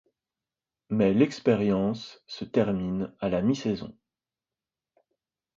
Mais l'expérience se termine à la mi-saison.